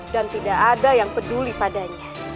dan tidak ada yang peduli padanya